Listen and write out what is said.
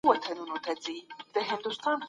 جانانه! څه درته ډالۍ كړم